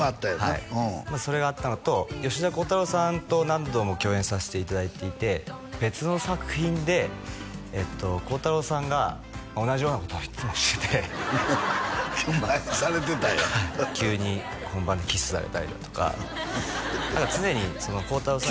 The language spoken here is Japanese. はいまずそれがあったのと吉田鋼太郎さんと何度も共演させていただいていて別の作品で鋼太郎さんが同じようなことをいっつもしててお前がされてたんや急に本番でキスされたりだとか常に鋼太郎さん